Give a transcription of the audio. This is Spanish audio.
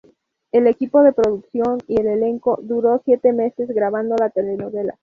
El equipo de producción y el elenco duró siete meses grabando la telenovela.